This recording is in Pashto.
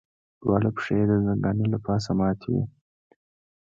دواړه پښې یې د ځنګانه له پاسه ماتې وې.